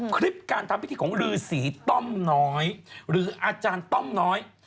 คลิปการทำพิธีของฤษีต้อมน้อยหรืออาจารย์ต้อมน้อย